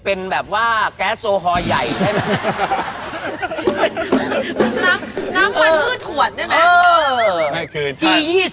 เป็นแบบว่าแก๊สโซฮอล์ใหญ่ใช่ไหม